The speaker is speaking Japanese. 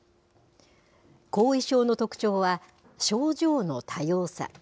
後遺症の特徴は、症状の多様さ。